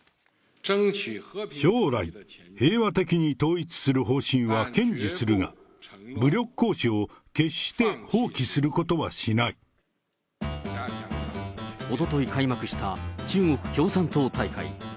将来、平和的に統一する方針は堅持するが、武力行使を決して放棄するこおととい開幕した中国共産党大会。